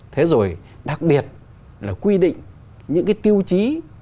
thế rồi đặc biệt là quy định những cái tiêu chí